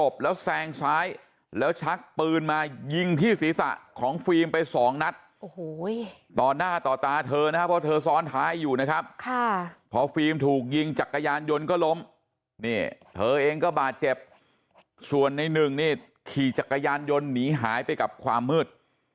ฟิล์มไปสองนัดต่อหน้าต่อตาเธอเพราะเธอซ้อนท้ายอยู่นะครับพอฟิล์มถูกยิงจักรยานยนต์ก็ล้มเธอเองก็บาดเจ็บส่วนในหนึ่งขี่จักรยานยนต์หนีหายไปกับความมืด